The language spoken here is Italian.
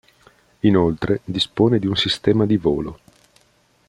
Inoltre dispone di un sistema di volo.